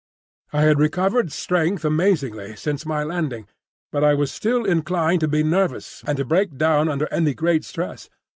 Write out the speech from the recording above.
I had recovered strength amazingly since my landing, but I was still inclined to be nervous and to break down under any great stress.